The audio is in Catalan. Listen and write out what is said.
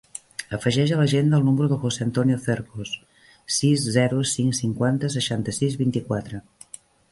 Afegeix a l'agenda el número del José antonio Cercos: sis, zero, cinc, cinquanta, seixanta-sis, vint-i-quatre.